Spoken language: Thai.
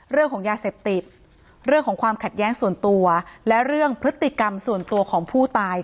เรื่องของยาเสพติดเรื่องของความขัดแย้งส่วนตัวและเรื่องพฤติกรรมส่วนตัวของผู้ตาย